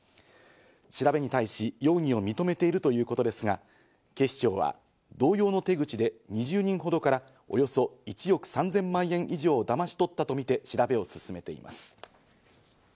調べに対し、容疑を認めているということですが、警視庁は同様の手口で２０人ほどからおよそ１億３０００万円以上をだまし取ったとみて調べを進めています。